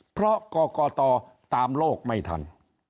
เพราะก่อก่อต่อตามโลกไม่ทัน